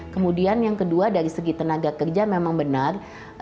kemudian yang kedua dari segi tenaga kerja memang benar